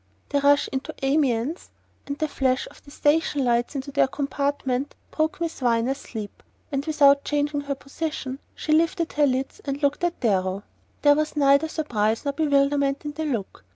The rush into Amiens, and the flash of the station lights into their compartment, broke Miss Viner's sleep, and without changing her position she lifted her lids and looked at Darrow. There was neither surprise nor bewilderment in the look.